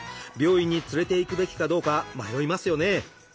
病院に連れて行くべきかどうか迷いますよね。